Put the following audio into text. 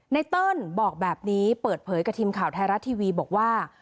เติ้ลบอกแบบนี้เปิดเผยกับทีมข่าวไทยรัฐทีวีบอกว่า